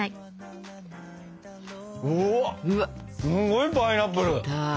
うわっすごいパイナップル。